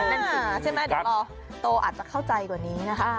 อ่านั่นสิใช่ไหมเดี๋ยวต่อโตอาจจะเข้าใจกว่านี้นะคะ